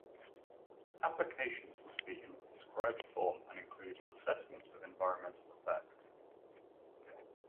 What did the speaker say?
Applications must be in the prescribed form and include an assessment of environmental effects.